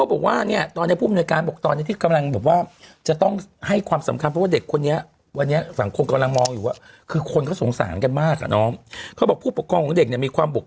หลายอย่างเงี้ยนะครับเด็กพิการคนนี้ก็จะสามารถเข้าไปอยู่โรงเรียนเด็กพิการได้